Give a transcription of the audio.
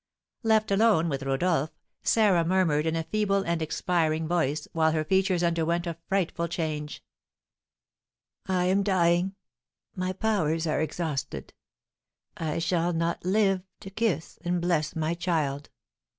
Left alone with Rodolph, Sarah murmured in a feeble and expiring voice, while her features underwent a frightful change, "I am dying; my powers are exhausted! I shall not live to kiss and bless my child!"